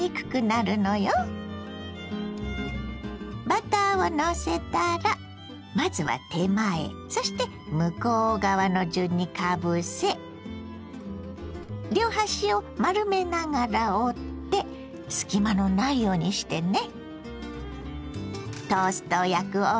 バターをのせたらまずは手前そして向こう側の順にかぶせ両端を丸めながら折って隙間のないようにしてね。